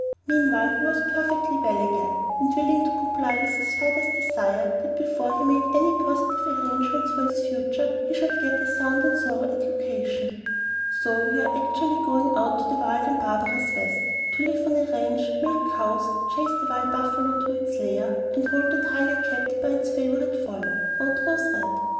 Meanwhile, he was perfectly well again, and willing to comply with his father's desire that before he made any positive arrangements for his future, he should get a sound and thorough education. "So you are actually going out to the wild and barbarous West, to live on a ranch, milk cows, chase the wild buffalo to its lair, and hold the tiger cat by its favorite forelock," wrote Rose Red.